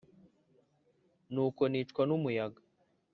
nuko nicwa n’umuyaga